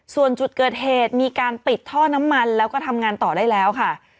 ส่วนจุดเกิดเหตุมีการปิดท่อน้ำมันแล้วก็ทำงานต่อได้แล้วค่ะ